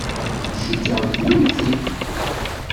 Cikkeɣ d kennemti.